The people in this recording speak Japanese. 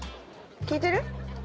聞いてる？